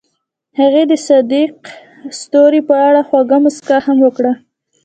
هغې د صادق ستوري په اړه خوږه موسکا هم وکړه.